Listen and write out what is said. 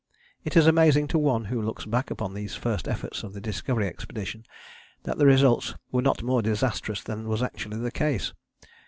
It is amazing to one who looks back upon these first efforts of the Discovery Expedition that the results were not more disastrous than was actually the case.